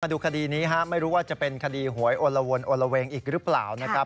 ดูคดีนี้ไม่รู้ว่าจะเป็นคดีหวยโอละวนโอละเวงอีกหรือเปล่านะครับ